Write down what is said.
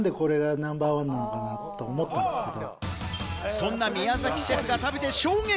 そんな宮崎シェフが食べて衝撃。